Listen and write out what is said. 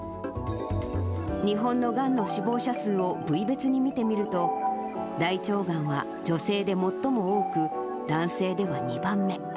日本のがんの死亡者数を部位別に見てみると、大腸がんは女性で最も多く、男性では２番目。